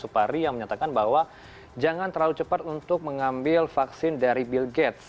supari yang menyatakan bahwa jangan terlalu cepat untuk mengambil vaksin dari bill gates